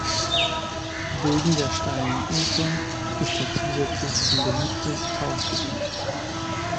Wegen der steilen Ufer ist er zusätzlich ein beliebtes Tauchgebiet.